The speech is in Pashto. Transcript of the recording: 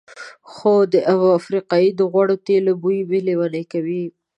خو د افریقایي د غوړو تېلو بوی مې لېونی کوي.